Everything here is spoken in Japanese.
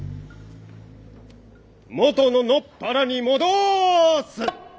元の野っ原に戻す！